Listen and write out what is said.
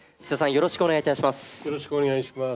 よろしくお願いします。